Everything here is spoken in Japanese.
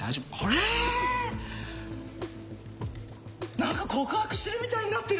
何か告白してるみたいになってる？